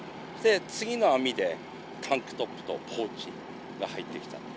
次の網で、タンクトップとポーチが入ってきた。